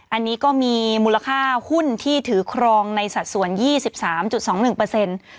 อันนี้ก็มีมูลค่าหุ้นที่ถือครองในสัดส่วน๒๓๒๑เปอร์เซ็นต์